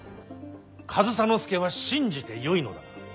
上総介は信じてよいのだな。